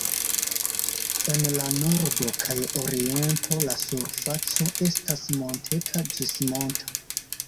En la nordo kaj oriento la surfaco estas monteta ĝis monta.